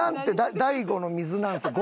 大悟の水なんですよ悟